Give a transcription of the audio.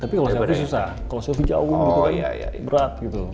tapi kalau saya sih susah kalau selfie jauh gitu kan berat gitu